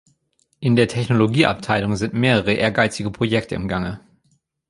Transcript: In der Technologieabteilung sind mehrere ehrgeizige Projekte im Gange.